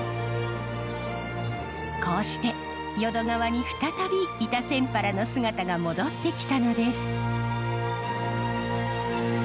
こうして淀川に再びイタセンパラの姿が戻ってきたのです。